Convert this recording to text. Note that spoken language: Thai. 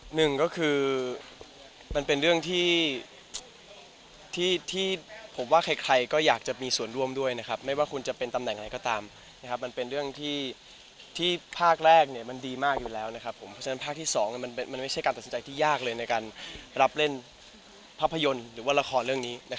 หนึ่งก็คือมันเป็นเรื่องที่ผมว่าใครก็อยากจะมีส่วนร่วมด้วยนะครับไม่ว่าคุณจะเป็นตำแหน่งอะไรก็ตามมันเป็นเรื่องที่ภาคแรกมันดีมากอยู่แล้วนะครับผมเพราะฉะนั้นภาคที่๒มันไม่ใช่การตัดสินใจที่ยากเลยในการรับเล่นภาพยนตร์หรือว่าละครเรื่องนี้